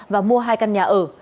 và mua hai căn nhà ở